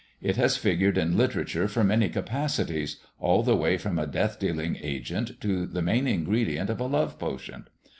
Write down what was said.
It has figured in literature in many capacities, all the way from a death dealing agent to the main ingredient of a love potion.